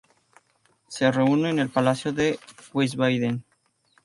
Se reúne en el Palacio de Wiesbaden.